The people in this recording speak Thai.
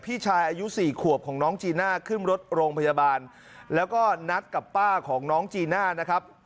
พี่ชายอายุสี่ขวบของน้องจีน่าขึ้นรถโรงพยาบาลแล้วก็นัดกับป้าของน้องจีน่านะครับ